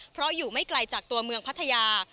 เพราะอยู่ไม่ไกลจากตัวเมืองพัทยา